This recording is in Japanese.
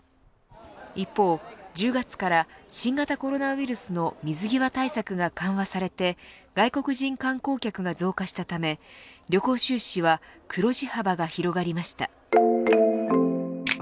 一方、１０月から新型コロナウイルスの水際対策が緩和されて外国人観光客が増加したため旅行収支は黒字幅が広がりました。